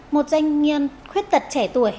một doanh nghiên khuyết tật trẻ tuổi